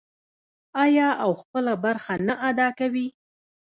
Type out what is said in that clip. آیا او خپله برخه نه ادا کوي؟